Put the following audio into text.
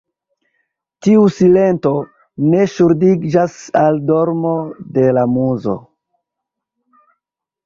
Tiu silento ne ŝuldiĝas al dormo de la muzo.